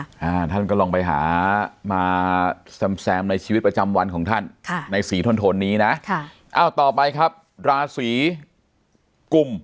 อ่าท่านก็ลองไปหามาแซมแซมในชีวิตประจำวันของท่านค่ะในสีทนทนนี้นะค่ะอ้าวต่อไปครับราศีกุม